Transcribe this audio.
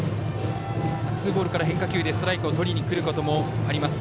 ツーボールから変化球でストライクをとりにくることもあります